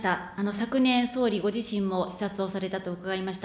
昨年、総理ご自身も視察をされたと伺いました。